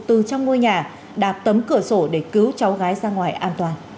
từ trong ngôi nhà đạp tấm cửa sổ để cứu cháu gái ra ngoài an toàn